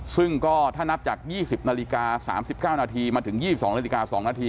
ซึ่งก็ถ้านับจากยี่สิบนาฬิกาสามสิบเก้านาทีมาถึงยี่สิบสองนาฬิกาสองนาที